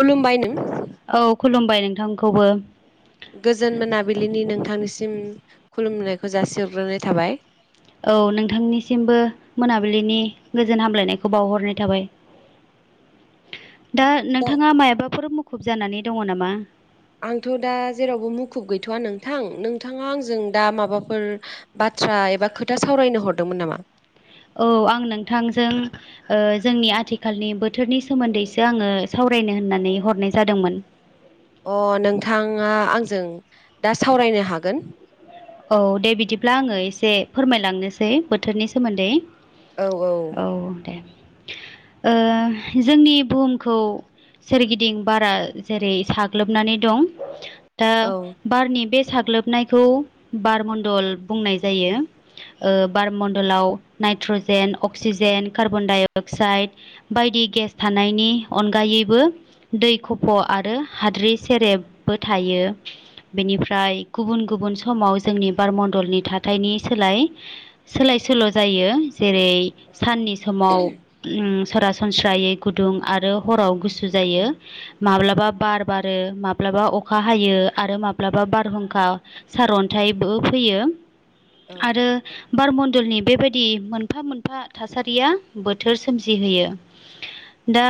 खुलुमबाय नों औ खुलुमबाय नोंथांखौबो। गोजोन मोनाबिलिनि नोंथांनिसिम खुलुमनायखौ जासिहरग्रोनाय थाबाय। औ नोंथांनिसिमबो मोनाबिलिनि गोजोन हामलायनायखौ बावहरनाय थाबाय। दा नोंथाङा मायाबाफोर मुखुब जानानै दङ नामा? आंथ' दा जेरावबो मुखुब गैथ'वा नोंथां नोंथाङा आंजों दा माबाफोर बाथ्रा बाथ्रा एबा खोथा सावरायनो हरदोंमोन नामा? औ आं नोंथांजों जोंनि आथिखालनि बोथोरनि सोमोन्दैसो आङो सावरा रायनो होननानै हरनाय जादोंमोन। अ नोंथाङा आंजों दा सावरायनो हागोन। औ दे बिदिब्ला आङो एसे फोरमायलांनोसै बोथोरनि सोमोन्दै। औ दे ओ जोंनि बुहुमखौ सोरगिदिं बारा जेरै साग्लोबनानै दं दा औ बारनि बे साग्लोबनायखौ बार मडल बुंनाय जायो। ओ बारमडलाव nitrogen oxygen carbon dioxide बायदि गेस थानायनि अनगायैबो दै खफ' आरो हाद्रि सेरेबबो थायो। यो बिनिफ्राय गुबन गुबन समाव जोंनि बारमडलनि थााथायनि सोलाय सोलाय सोल' जायो। जेरै औ साननि समाव [unintelligible] सरासनस्रायै गुदुं आरो हराव गुसु जायो माब्लाबा बार बारो माब्लाबा माब्लाबा अखा हायो आरो माब्लाबा बारहुंखाक्ष। सार अन्थाइबो फैयो औ आरो बारमडलनि बेबायदि मोनफा मोनफा थासारिया बोथोर सोमजिहोयो। दा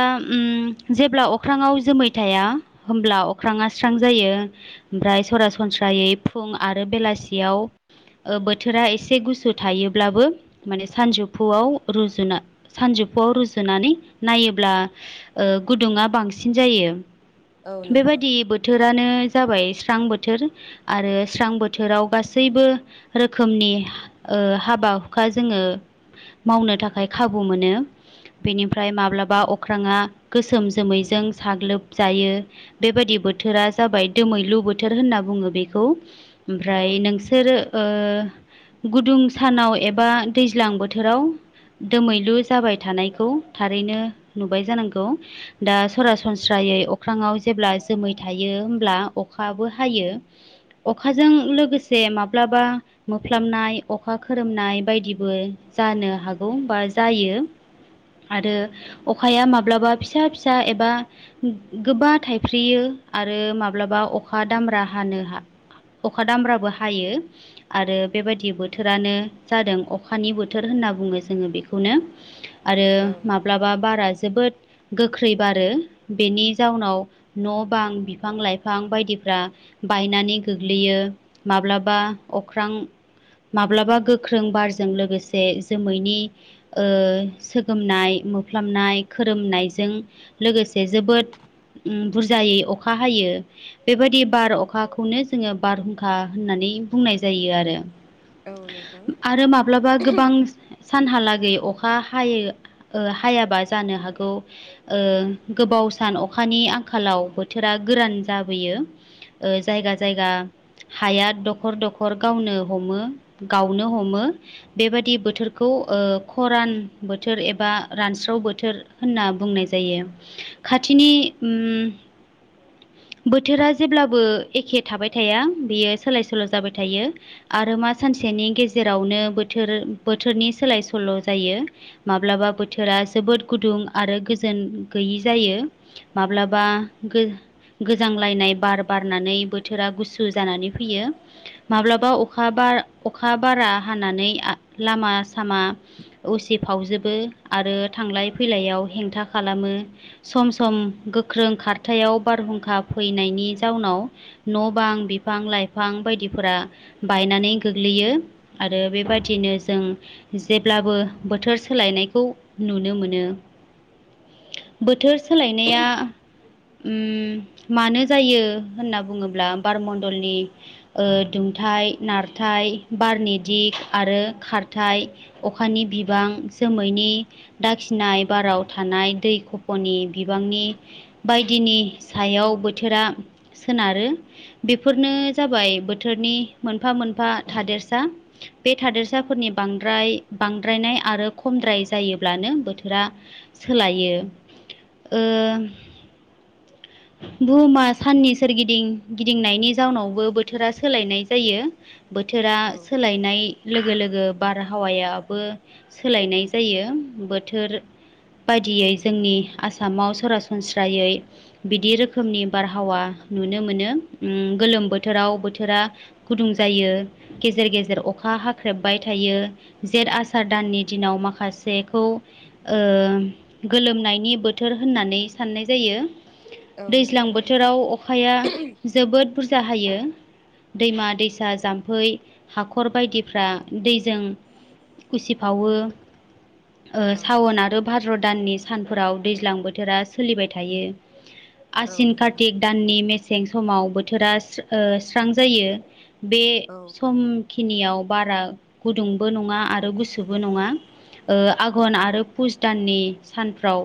जेब्ला अख्राङाव जोमै थाया होमब्ला अख्राङा स्रां जायो। ओमफ्राय सरासनस्रायै फुं आरो बेलासियाव ओ बोथोरा एसे गुसु थायोब्लाबो माने सानजौफुआव रुजुना सानजौ आव रुजुनानै नायोब्ला ओ गुदुङा बांसिन जायो। औ नोंथां बेबायदि बोथोरानो जाबाय स्रां बोथोर आरो स्रां बोथोराव गासैबो रोखोमनि ओ हाबा हुखा जोङो मावनो थाखाय खाबु मोनो। बेनिफ्राय माब्लाबा अख्राङा गोसोम जोमैजों साग्लोबजायो बेबायदि बोथोरा जाबाय दोमैलु बोथोर होनना बुङो बेखौ औ ओमफ्राय नोंसोरो ओ गुदुं सानाव एबा दैज्लां बोथोराव दोमैलु जाबाय थानायखौ थारैनो नुबाय जानांगौ? दा औ नुयो नोंथां सरासनस्रायै अख्राङाव जेब्ला जोमै थायो होमब्ला अखाबो हायो। अखाजों लोगोसे माब्लाबा मोफ्लामनाय अखा खोरोमनाय बायदिबो जा नो हागौ बा जायो। आरो अखाया माब्लाबा फिसा फिसा एबा गोबा थाइफ्रियो। आरो माब्लाबा अखा दामब्रा हानो हा अखा दामब्राबो हायो आरो बेबायदि बोथोरानो जादों अखानि बोथोर होन ना बुङो जोङो बेखौनो आरो औ माब्लाबा बारा जोबोद गोख्रै बारो बेनि जाउनाव न' बां बिफां लाइफां बायदिफ्रा बायनानै गोग्लैयो माब्लाबा अख्रां माब्लाबा गोख्रों बारजों लोगोसे जोमैनि ओ सोगोमनाय मोफ्लाबनाय खोरोमनायजों लोगोसे जोबोद उम बुरजायै अखा हायो बेबायदि बार अखाखौनो जोङो बारहुंखा होननानै बुंनाय जायो आरो। औ नोंथां आरो माब्लाबा गोबां सानहालागै अखा हायाबा ओ जानो हागौ गोबाव सान अखानि आंखालाव बोथोरा गोरान जाबोयो ओ जायगा जायगा। हाया दखर दखर गावनो हमो गावनो हमो बेबायदि बोथोरखौ खरान ओ बोथोर एबा रानस्राव बोथोर होनना बुंनाय जायो। औ खाथिनि उम बोथोरा जेब्लाबो एखे थाबाय थाया बेयो सोलाय सोल' जाबाय थायो आरो मा सानसेनि गेजेरावनो बोथोर बोथोरनि सोलाय सोल' जायो माब्लाबा बोथोरा जोबोद गुदुं आरो गोजोन गैयि जायो माब्लाबा गोजांलायनाय बार बारनानै बो थोरा गुसु जानानै फैयो माब्लाबा अखा बार अखा बारा हानानै आ लामा सामा उसिफावजोबो आरो थांलाय फैलायाव हेंथा खालामो। सम सम गोख्रों खारथायाव बारहुंखा फैनायनि जाउनाव न' बां बिफां लाइफां बायदिफोरा बायनानै गोग्लैयो आरो बेबायदि नो जों जेब्लाबो बोथोर सोलायनायखौ नुनो मोनो। बोथोर सोलायनाया ओम मानो जायो होनना बुङो ब्ला बारमण्डलनि ओ दुंथाइ नारथाय बारनि दिग आरो खारथाय अखानि बिबां जोमैनि दाखिनाय बाराव थानाय दै खफ'नि बिबांनि बायदिनि सायाव बोथोरा सोनारो। बेफोरनो जाबाय बोथोरनि मोनफा मोनफा थादेरसा बे थादेरसा। फोरनि बांद्राय बांद्रायनाय आरो खमद्राय जायोब्लानो बोथोरा सोलायो। ओ बुहुमा साननि सोरगिदिं। गिदिंनायनि जाउनावबो बोथोरा सोलायनाय जायो। बोथोरा औ सोलायनाय लोगो लोगो बारहावायाबो सोलायनाय जायो। बोथोर बायदियै जोंनि आसामाव सरासनस्रायै बिदि रोखोमनि बारहावा। नुनो मोनो। गोलोम बोथोराव बोथोरा गुदुं जायो गेजेर गेजेर अखा हाख्रेबबाय। थायो जेत आसार दाननि दिनाव माखासेखौ ओ गोलोम नायनि बोथोर होननानै साननाय जायो। औ दैज्लां नोंथां बोथोराव अखाया जोबोद बुरजा होयो। दैमा दैसा जाम्फै हाख'र बायदिफ्रा दै जों उसिफावो। ओ औ सावन आरो भाद्र' दाननि सानफोराव दैज्लां बोथोरा सोलिबाय थायो। औ आसिन नोंथां कार्तिक दाननि मेसें समाव बोथोरा स्रां ओ जायो। बे औ समखिनियाव बारा गुदुंबो नङा आरो गुसुबो नङा। ओ आघन आरो पुस दाननि सानफ्राव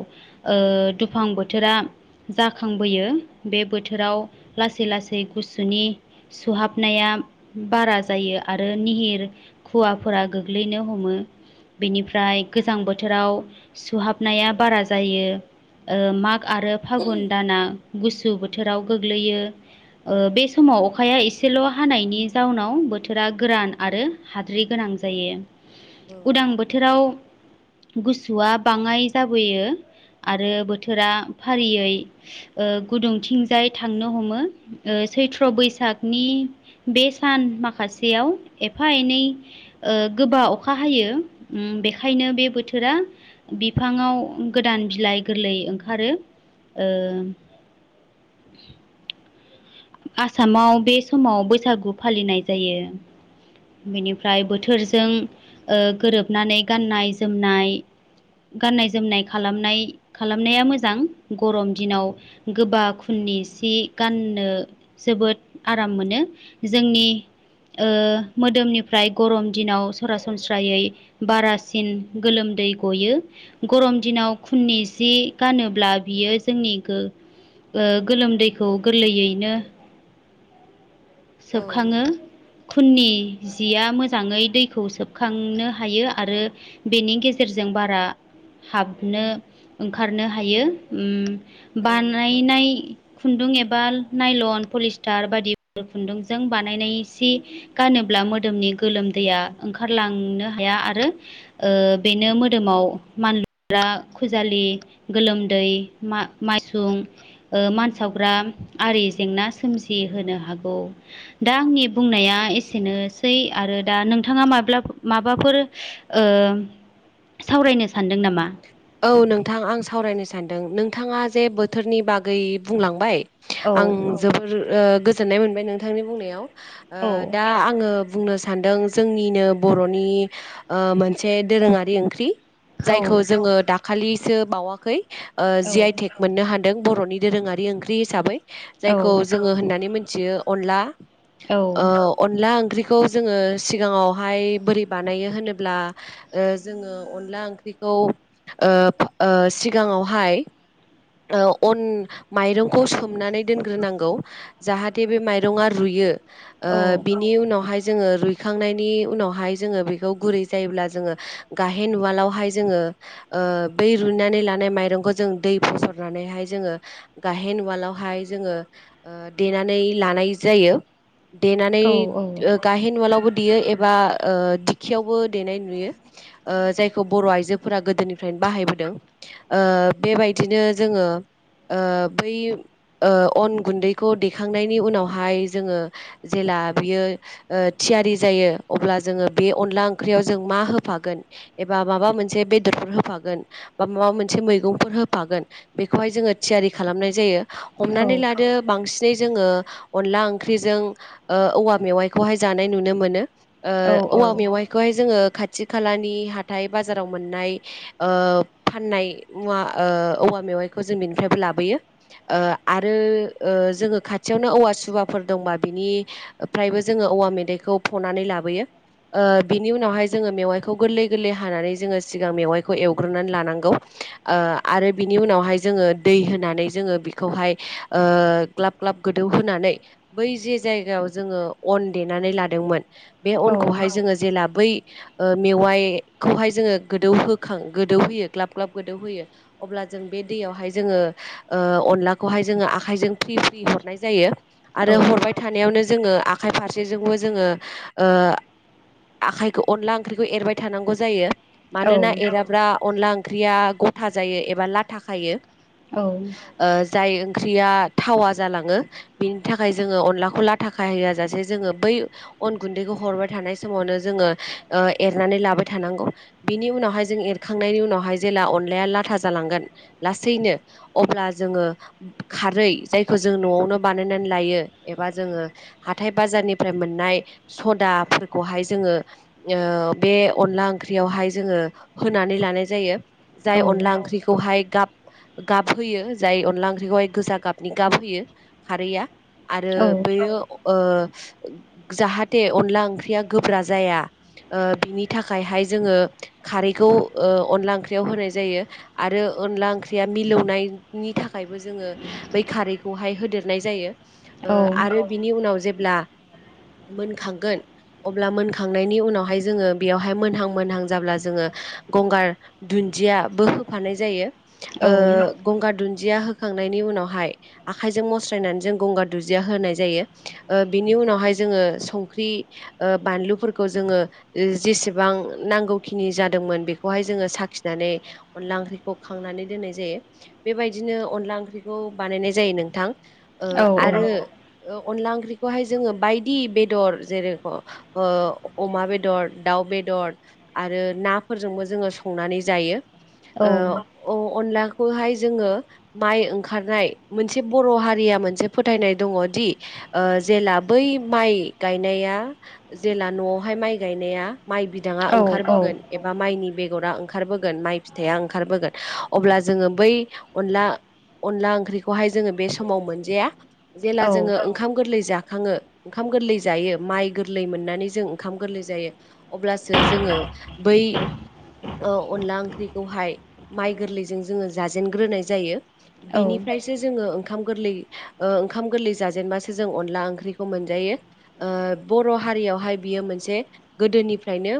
ओ दुफां बोथोरा जाखांबोयो बे बोथोराव। लासै लासै गुसुनि सुहाबनाया बारा जायो आरो निहिर खुवाफोरा गोग्लैनो हमो। बेनिफ्राय गोजां बोथोराव सुहाबनाया बारा जायो। ओ माग आरो फागुन दाना गुसु बोथोराव गोग्लैयो। ओ बे समाव अखाया एसेल' हानायनि जाउनाव बोथोरा गोरान आरो हाद्रि गोनां जायो। औ उदां नोंथां बोथोराव गुसुवा बाङाय जाबोयो। आरो बोथोरा फारियै ओ गुदुंथिं जाय थांनो हमो ओ सैथ्र' बैसागनि बे सान माखासेयाव। एफा एनै ओ गोबा अखा हायो ओम बेखायनो बे बोथोरा बिफाङाव गोदान बिलाइ गोरलै ओंखारो। ओ [inaudible] आसामाव बे समाव बैसागु फालिनाय जायो। बेनिफ्राय बोथोरजों ओ गोरोबनानै गाननाय जोमनाय। गाननाय जोमनाय खालामनाय खालामनाया मोजां गरम दिनाव गोबा खुन - नि सि गाननो जोबोद आराम मोनो। जोंनि ओ मोदोमनिफ्राय गरम दिनाव सरासनस्रायै बारासिन गोलोम दै गयो गरम दिनाव खुननि जि गानोब्ला बियो जोंनि गो ओ गोलोमदैखौ गोरलैयैनो औ सोबखाङो। नोंथां खुननि जिया मोजाङै दै खौ सोबखांनो हायो आरो बेनि गेजेरजों बारा हाबनो ओंखारनो हायो। ओम औ नोंथां बानायनाय खुन्दुं एबा नायलन पलिस्टार बायदि ओ खुन्दुंजों बानायनाय सि गानोब्ला मोदोमनि गोलोमदैया ओंखारलांनो हाया। आरो बेनो मोदोमाव मानलुग्रा खुजालि गोलोमदै दै मा- मायसुं ओ मानसावग्रा आरि जेंना सोमजिहोनो हागो गौ दा आंनि बुंनाया एसेनोसै आरो दा नोंथाङा माब्ला माबाफोर ओ सावरायनोस औ नोंथां आं सावरायनो सानदों नोंथाङा जे बोथोरनि बागै बुंलांबाय आं औ जोबोर ओ गोजोननाय मोनबाय नोंथांनि बुंनायाव ओ औ दा आङो बुंनो सानदों जोंनिनो बर'नि ओ मोनसे दोरोङारि ओंख्रि औ जाय खौ जोङो दाखालिसो बावाखै ओ औ जि आइ तेक मोननो हा दों बर'नि दोरोङारि ओंख्रि हिसाबै औ जायखौ जोङो होननानै मोनथियो अनला। औ ओ अनला ओंख्रि खौ जोङो सिगाङावहाय बोरै बानायो होनोब्ला ओ जोङो अनला ओंख्रि खौ ओ ओ सिगाङावहाय ओ अन माइरंखौ सोमनानै दोनग्रोनांगौ जाहाथे बे माइरंङा रुयो। ओ औ बिनि उनावहाय जोङो रुइखांनायनि उनावहाय जोङो बेखौ गुरै जायोब्ला जोङो गाहेन उवालावहाय जोङो ओ बै रुयनानै लानाय माइंखौ जों दै फस' रनानैहाय जोङो गाहेन उवालावहाय जोङो देनानै लानाय जायो। देनानै औ गाहेन उवालावबो देयो एबा ओ दिखियावबो देनाय नुयो जायखौ बर' आइजोफोरा गोदोनिफ्रायनो बाहायबोदों ओ बेबायदिनो जोङो ओ बै ओ अन गुन्दैखौ देखांनायनि उनावहाय जोङो जेला बियो ओ थियारि जायो अब्ला जोङो बे अनला ओंख्रियाव जों मा होफागोन एबा माबा मोनसे बेदरफोरखौ होफागोन बा माबा मोनसे मैगंफोर होफागोन। बेखौहाय जोङो थियारि खालामनाय जायो हमनानै औ लादो बांसिन जे जोङो अनला ओंख्रिजों ओ औवा मेवाइखौहाय जानाय नुनो मोनो। औवा मेवाइखौहाय जोङो खाथि खालानि हाथाय बाजाराव मोननाय ओ फाननाय मुवा ओ औवा मेवाइ खौ जों बिनिफ्रायबो लाबोयो ओ आरो जोङो खाथियावनो ओ औवा सुबाफोर दंबा बे निफ्रायबो जोङो औवा मेदाइखौ फनानै लाबोयो। बिनि उनावहाय जोङो मेवाइखौ गोरलै गोरलै हानानै जोङो सिगां मेवाइखौ एवग्रोनानै लानांगौ। आरो बिनि उनावहाय जोङो दै होनानै जोङो ओ ग्लाब ग्लाब गोदौ होनानै बै जे जायगायाव जोङो अन देनानै लादोंमोन बे औ अनखौहाय जोङो जेला बै ओ मेवाइखौहाय जोङो गोदौ होखां गोदौ होयो ग्लाब ग्लाब गोदौ होयो अब्ला जों बे दैयावहाय जोङो ओ अनलाखौहाय जोङो आखाइजों फ्रि फ्रि हरनाय जायो। आरो हरबाय थानायावनो जोङो आखाइ फारसेजोंबो जोङो ओ आखाइखौ अनला ओंख्रिखौ एरबाय थानांगौ जायो। मानोना एराब्ला अनला ओंख्रिया गथा जायो एबा लाथा खायो। ओ जाय ओंख्रिया थावा जालाङो बेनि थाखाय जोङो अनलाखौ लाथा खाहोया जासे जोङो बै अन गुन्दैखौ हरबाय थानाय समावनो जोङो ओ एरनानै लाबाय थानांगौ बिनि उनावहाय जों खांनायनि उनावहाय जेब्ला अनलाया लाथा जालांगोन लासैनो अब्ला जोङो खारै जायखौ जों न'आवनो बानायनानै लायो एबा जोङो हाथाय बाजारनिफ्राय मोननाय सदाफोरखौहाय जोङो ओ ओ बे अनला ओंख्रियावहाय जोङो होनानै लानाय जायो जाय अनला ओंख्रिखौहाय गाब गाब होयो जाय अनला ओंख्रिखौहाय गोजा गाबनि गाब होयो खारैआ आरो बेयो ओ जाहाथे अनला ओंख्रिया गोब्रा जाया। ओ बिनि थाखायहाय जोङो खारैखौ ओ अनला ओंख्रियाव होनाय जायो आरो अनला ओंख्रिया मिलौनायनि थाखायबो जोङो बै खारैखौहाय होदेरनाय जायो। आरो बिनि उनाव जेब्ला मोनखांगोन। अब्ला मोनखांनायनि उनावहाय जोङो बेयावहाय मोनहां मोनहां जाब्ला जोङो गंगार दुन न्दियाबो होफानाय जायो गंगार दुन दिया होखांनायनि उनावहाय आखायजों मस्रायनानै जों गंगार दुनदिया होनाय जायो बिनि उ नावहाय जोङो संख्रि बानलुफोरखौ जोङो जेसेबां नांगौखिनि जादोंमोन बेखौ जहाय जोङो साखिनानै अनला ओंख्रिखौ खांनानै दोननाय जायो बेबायदिनो अनला ओंख्रिखौ बानायनाय जायो नोंथां। आरो अनला ओंख्रिखौहाय जोङो बायदि बेदर जेरे अमा बेदर दाउ बेदर आरो नाफोरजोंबो जोङो संनानै जायो। औ। अनलाखौहाय जोङो माइ ओंखारनाय मोनसे बर' हारिया मोनसे फोथायनाय दंदि ङदि जेला बै माइ गायनाया जेला न'आवहाय माइ गायनाया। माइ बिदाङा ओंखारबोगोन एबा माइनि बेगरा ओंखारबोगोन माइ फिथाइया ओंखारबोगोन। अब्ला जोङो बै अनला अनला ओंख्रिखौहाय जोङो बे समाव मोनजाया। जेला औ जोङो ओंखाम गोरलै जा खाङो ओंखाम गोरलै जायो माइ गोरलै मोननानै जों ओंखाम गोरलै जायो अब्लासो जोङो। बै अनला ओंख्रिखौहाय माइ गोरलैजों जोङो जाजेनग्रोनाय जायो औ औ बिनिफ्रायसो जोङो। ओखाम गोरलै ओंखाम गोरलै जेनबासो जों अनला ओंख्रिखौ मोनजायो बर' ओ‌ हा रियावहाय बियो मोनसे गोदोनिफ्रायनो